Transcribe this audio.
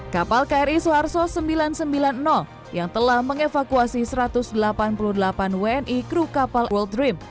kapal kri suharto sembilan ratus sembilan puluh yang telah mengevakuasi satu ratus delapan puluh delapan wni kru kapal world dream